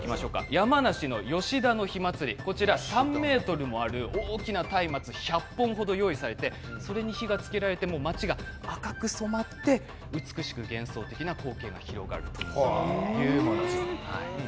山梨の吉田の火祭り３ｍもある大きなたいまつ１００本程用意されてそれに火がつけられて町が赤く染まって美しく幻想的な光景が広がるというものです。